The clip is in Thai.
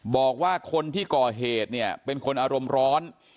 บอกว่าคนที่ก่อเหตุเนี่ยเป็นคนอารมณ์ร้อน